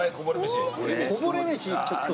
こぼれめしちょっと。